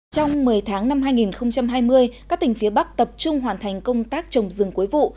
trong một mươi tháng năm hai nghìn hai mươi các tỉnh phía bắc tập trung hoàn thành công tác trồng rừng cuối vụ